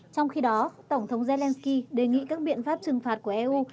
trong khi đó tổng thống zelensky đề nghị các biện pháp trừng phạt của eu